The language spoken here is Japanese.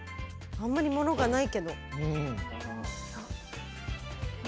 あんまり物がないけど。